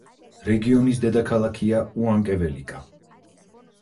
რეგიონის დედაქალაქია უანკაველიკა.